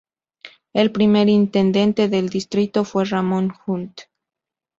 El primer intendente del distrito fue Ramón Hunt.